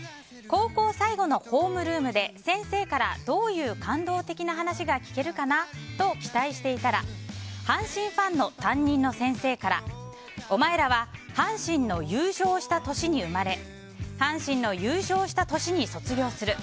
高校最後のホームルームで先生から、どういう感動的な話が聞けるかなと期待していたら阪神ファンの担任の先生からお前らは阪神の優勝した年に生まれ阪神の優勝した年に卒業する。